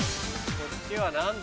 こっちは何だ？